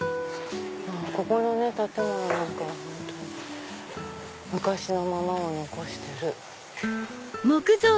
ここの建物なんか本当に昔のままを残してる。